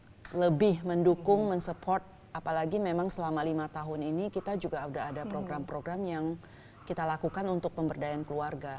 kita lebih mendukung mensupport apalagi memang selama lima tahun ini kita juga sudah ada program program yang kita lakukan untuk pemberdayaan keluarga